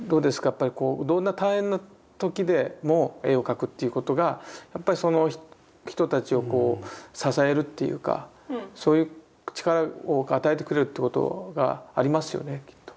やっぱりこうどんな大変な時でも絵を描くということがやっぱりその人たちをこう支えるというかそういう力を与えてくれるってことがありますよねきっと。